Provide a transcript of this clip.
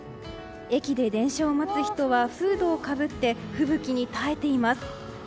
駅で電車を待つ人はフードをかぶって吹雪に耐えています。